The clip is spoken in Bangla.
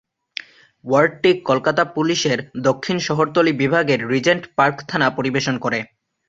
ওয়ার্ডটি কলকাতা পুলিশের দক্ষিণ শহরতলির বিভাগের রিজেন্ট পার্ক থানা পরিবেশন করে।